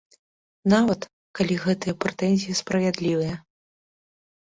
Нават, калі гэтыя прэтэнзіі справядлівыя.